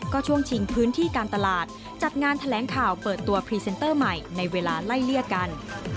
ก็ช่วงชิงพื้นที่การตลาดจัดงานแถลงข่าวเปิดตัวพรีเซนเตอร์ใหม่ในเวลาไล่เลี่ยกัน